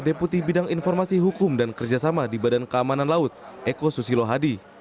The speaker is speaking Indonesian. deputi bidang informasi hukum dan kerjasama di badan keamanan laut eko susilo hadi